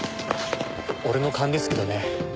俺の勘ですけどね